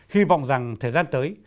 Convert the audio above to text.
hy vọng rằng thời gian tới